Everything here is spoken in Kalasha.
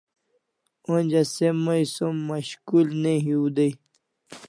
Onja se mai som mashkul ne hiu dai